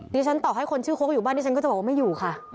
ฉันต่อให้คนชื่อโค้กอยู่บ้านดิฉันก็จะบอกว่าไม่อยู่ค่ะ